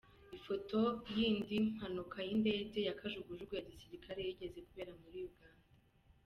Ifoto y’indi mpanuka y’indege ya Kajugujugu ya Gisirikare yigeze kubera muri Uganda.